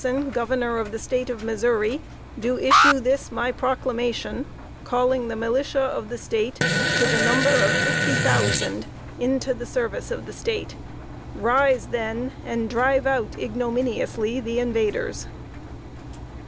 Jackson, Governor of the State of Missouri, do issue this my proclamation, calling the militia of the State, to the number of FIFTY THOUSAND, into the service of the State. Rise, then, and drive out ignominiously the invaders!"